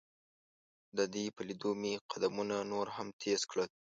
د دې په لیدو مې قدمونه نور هم تیز کړل.